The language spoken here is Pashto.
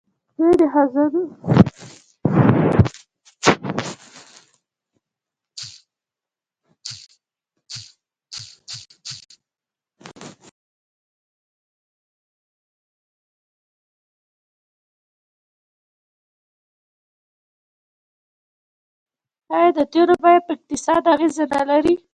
آیا د تیلو بیه په اقتصاد اغیز نلري؟